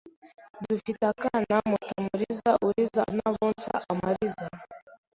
Dufite akana MutamurizaUriza n'abonsa amariza